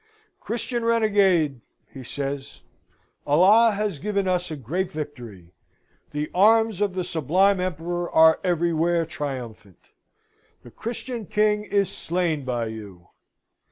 "Christian renegade!" he says, "Allah has given us a great victory. The arms of the Sublime Emperor are everywhere triumphant. The Christian King is slain by you."